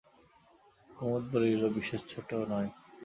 কুমুদ বলিল, বিশেষ ছোট নয়।